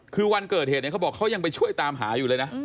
คือวันเกิดเหตุเนี่ยเขาบอกเขายังไปช่วยตามหาอยู่เลยนะ